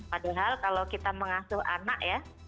padahal kalau kita mengasuh anak ya